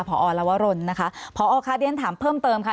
พอลวรนนะคะพอค่ะเรียนถามเพิ่มเติมค่ะ